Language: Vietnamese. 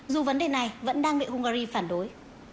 dù vấn đề này vẫn đang bị hungary phản đối